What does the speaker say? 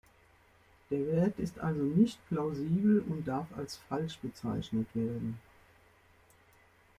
Der Wert ist also nicht plausibel und darf als falsch bezeichnet werden.